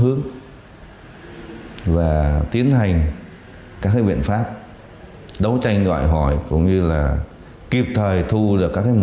theo đó vào chiều ngày một mươi bốn tháng ba năm hai nghìn hai mươi hai ra lan giang uống rượu với nhiều người trong làng cuộc nhậu kéo dài đến khoảng hai mươi giờ